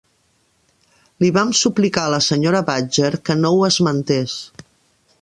Li vam suplicar a la senyora Badger que no ho esmentés.